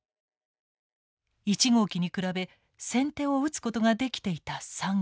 １号機に比べ先手を打つことができていた３号機。